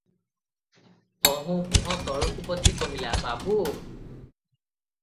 ତହୁଁ ମୁହଁ ତଳକୁ ପୋତି କହିଲା- "ବାବୁ!